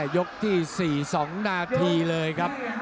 ยกที่๔๒นาทีเลยครับ